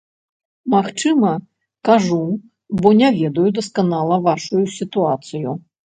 Магчыма, кажу, бо не ведаю дасканала вашую сітуацыю.